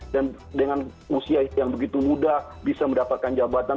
dan dengan usia yang begitu muda bisa mendapatkan jabatan